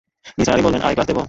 নিসার আলি বললেন, আরেক গ্লাস দেব?